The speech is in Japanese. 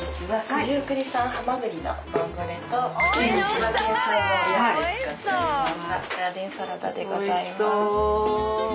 ガーデンサラダでございます。